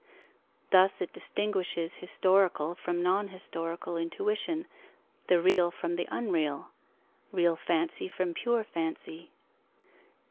Thus it distinguishes historical from non historical intuition, the real from the unreal, real fancy from pure fancy.